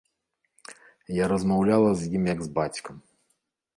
Я размаўляла з ім як з бацькам.